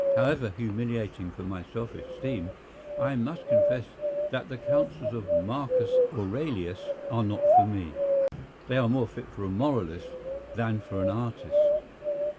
However humiliating for my self esteem, I must confess that the counsels of Marcus Aurelius are not for me. They are more fit for a moralist than for an artist.